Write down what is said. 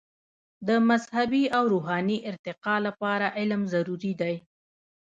د مذهبي او روحاني ارتقاء لپاره علم ضروري دی.